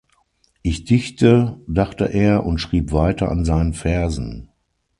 Ich dichte, dachte er und schrieb weiter an seinen Versen.